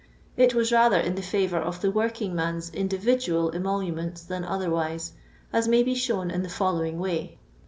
It was rather in the favour of the working man's individual emoluments than otherwise, as may be shown in the following way.